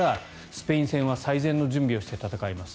スペイン戦は最善の準備をして戦います。